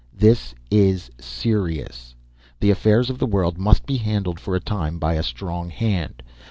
This is serious. The affairs of the world must be handled for a time by a strong hand.